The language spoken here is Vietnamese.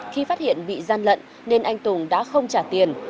khi phát hiện bị gian lận nên anh tùng đã không trả tiền